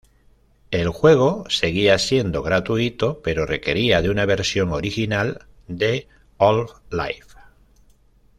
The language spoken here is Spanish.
El juego seguía siendo gratuito pero requería de una versión original de "Half-Life".